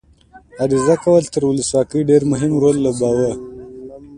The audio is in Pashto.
عریضه کول تر ولسواکۍ ډېر مهم رول ولوباوه.